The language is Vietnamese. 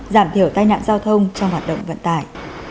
giảm thiểu tai nạn giao thông trong hoạt động vận tải